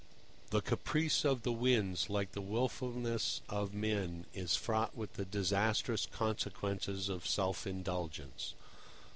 The caprice of the winds, like the wilfulness of men, is fraught with the disastrous consequences of self indulgence.